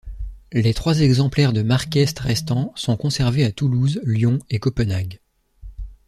Les trois exemplaires de Marqueste restants sont conservés à Toulouse, Lyon et Copenhague.